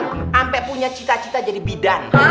sampai punya cita cita jadi bidan